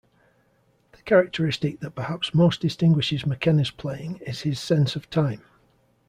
The characteristic that perhaps most distinguishes McKenna's playing is his sense of time.